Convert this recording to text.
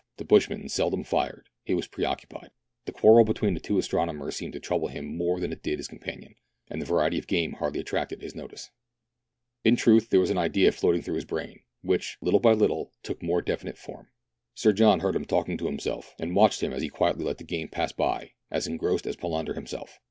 The bushman seldom fired ; he was pre occupicd. The quarrel between the two astro nomers seemed to trouble him more than it did his com panion, and the variety of game hardly attracted his notice. THREE ENGLISHMEN AND THREE RUSSIANS. 1 23 In truth there was an idea floating through his brain, which, httle by little, took more definite form. Sir John heard him talking to himself, and watched him as he quietly let the game pass by, as engrossed as Palander himself.